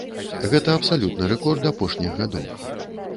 Гэта абсалютны рэкорд апошніх гадоў.